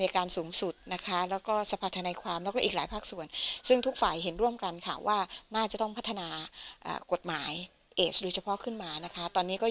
การสูงสุดนะคะแล้วก็สภาธนาความแล้วก็อีกหลายภาคส่วนซึ่งทุกฝ่ายเห็นร่วมกันค่ะว่าน่าจะต้องพัฒนากฎหมายเอสโดยเฉพาะขึ้นมานะคะตอนนี้ก็